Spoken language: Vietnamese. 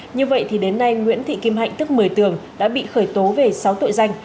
như vậy thì đến nay nguyễn thị kim hạnh tức một mươi tường đã bị khởi tố về sáu tội danh